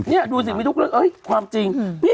นี่ดูสิมีทุกเรื่องความจริง